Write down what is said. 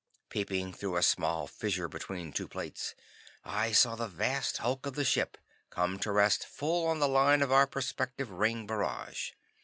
Peeping through a small fissure between two plates, I saw the vast hulk of the ship come to rest full on the line of our prospective ring barrage.